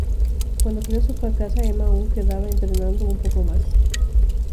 Cuando Cleo se fue a casa, Emma aún quedaba entrenando un poco más.